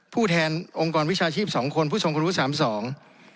ผู้แทนองค์กรวิชาชีพ๒คนผู้สงครุฑสามสอง